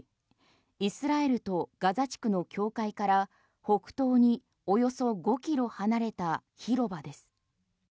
イスラエルとガザ地区の境界から北東におよそ５キロ離れた広場です。